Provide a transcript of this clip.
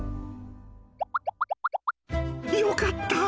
よかった！